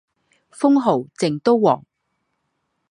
封号靖都王。